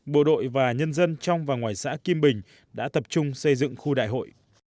bộ đội và nhân dân trong và ngoài xã kim bình đã tập trung xây dựng khu đại hội